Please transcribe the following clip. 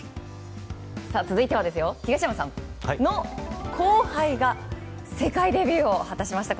続いて、東山さんの後輩が世界デビューを果たしました。